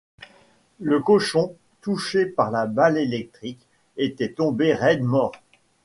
Le cochon, touché par la balle électrique, était tombé raide mort.